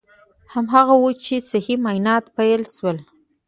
هماغه و چې صحي معاینات پیل شول.